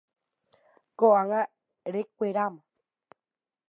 Ko'ág̃a rekueráma.